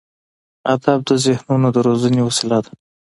ادب د ذهنونو د روزنې وسیله ده.